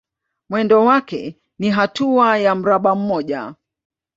Mwendo wake ni hatua ya mraba mmoja.